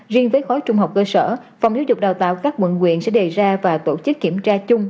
riêng với khối trung học cơ sở phòng giáo dục đào tạo các quận quyện sẽ đề ra và tổ chức kiểm tra chung